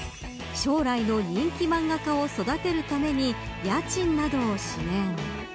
将来の人気漫画家を育てるために家賃などを支援。